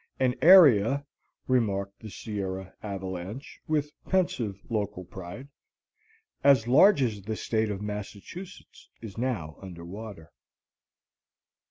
"An area," remarked the "Sierra Avalanche," with pensive local pride, "as large as the State of Massachusetts is now under water."